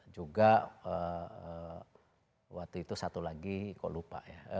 juga waktu itu satu lagi kok lupa ya